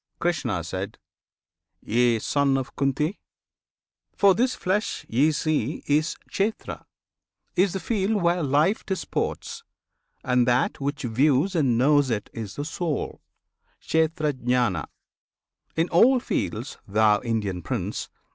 Krishna. Yea! Son of Kunti! for this flesh ye see Is Kshetra, is the field where Life disports; And that which views and knows it is the Soul, Kshetrajna. In all "fields," thou Indian prince!